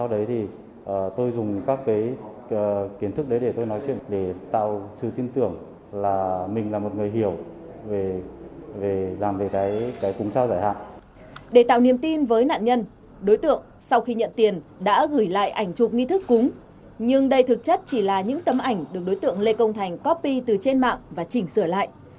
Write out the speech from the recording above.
đối tượng đã tạo niềm tin với nạn nhân đối tượng sau khi nhận tiền đã gửi lại ảnh chụp nghi thức cúng nhưng đây thực chất chỉ là những tấm ảnh được đối tượng lê công thành copy từ trên mạng và chỉnh sửa lại